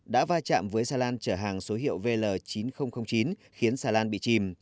đã va chạm với xà lan chở hàng số hiệu vl chín nghìn chín khiến xà lan bị chìm